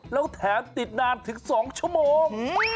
แล้วแถมติดนานถึง๒ชั่วโมง